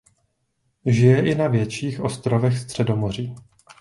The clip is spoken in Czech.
Žije i na větších ostrovech Středomoří.